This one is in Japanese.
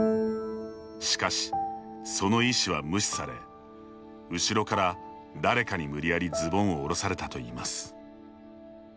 しかし、その意思は無視され後ろから、誰かに無理やりズボンを下ろされたといいます。